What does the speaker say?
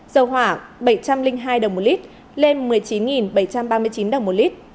dầu hỏa bảy trăm linh hai đồng một lít lên một mươi chín bảy trăm ba mươi chín đồng một lít